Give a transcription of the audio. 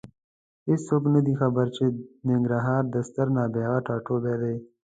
هېڅوک نه دي خبر چې ننګرهار د ستر نابغه ټاټوبی دی.